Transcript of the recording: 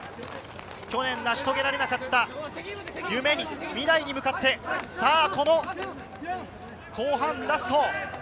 去年、成し遂げられなかった未来に向かって、後半ラスト。